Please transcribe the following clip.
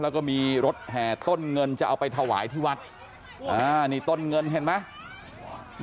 แล้วก็มีรถแห่ต้นเงินจะเอาไปถวายที่วัดนี่ต้นเงินเห็นไหม